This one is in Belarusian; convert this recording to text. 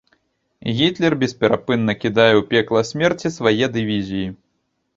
Гітлер бесперапынна кідае ў пекла смерці свае дывізіі.